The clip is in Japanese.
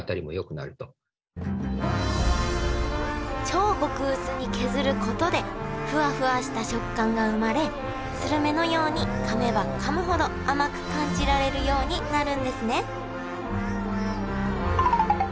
超極薄に削ることでフワフワした食感が生まれするめのようにかめばかむほど甘く感じられるようになるんですね